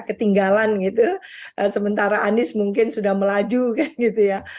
ketinggalan gitu sementara anies mungkin sudah melaju kan gitu ya